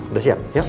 udah siap yuk